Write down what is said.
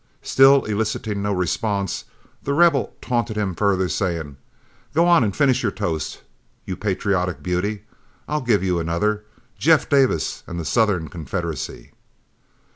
Still eliciting no response, The Rebel taunted him further, saying, "Go on and finish your toast, you patriotic beauty. I'll give you another: Jeff Davis and the Southern Confederacy."